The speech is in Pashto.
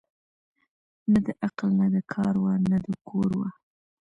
نه د عقل نه د کار وه نه د کور وه